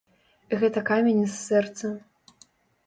Гэта камень з сэрца.